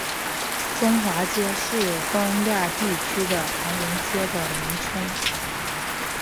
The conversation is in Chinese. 中华街是东亚地区的唐人街的名称。